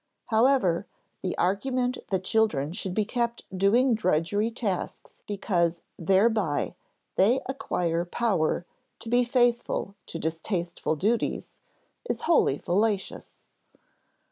However, the argument that children should be kept doing drudgery tasks because thereby they acquire power to be faithful to distasteful duties, is wholly fallacious.